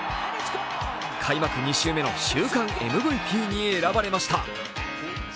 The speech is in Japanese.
開幕２週目の週間ＭＶＰに選ばれました。